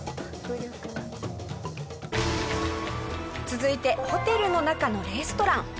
続いてホテルの中のレストラン。